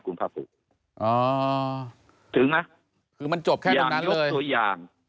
คุณพระผู้อ๋อถึงนะคือมันจบแค่ตรงนั้นเลยอย่างยกตัวอย่าง